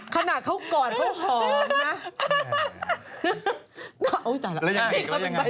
ขนาดเขากอดเขาหอมนะ